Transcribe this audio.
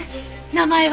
名前は？